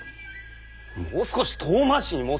もう少し遠回しに申せ！